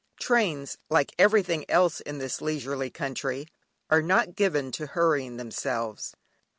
Trains, like everything else in this leisurely country, are not given to hurrying themselves.